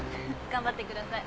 頑張ってください。